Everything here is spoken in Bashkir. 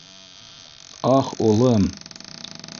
Ах, улым!